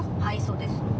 はいそうです。